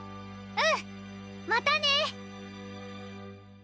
うんまたね